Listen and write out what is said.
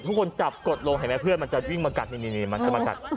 ทุกคนจับกดลงเห็นไหมเพื่อนมันจะวิ่งมากัดนี่มันจะมากัด